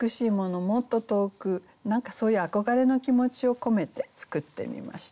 もっと遠く何かそういう憧れの気持ちを込めて作ってみました。